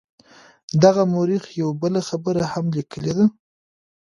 دغه مورخ یوه بله خبره هم لیکلې ده.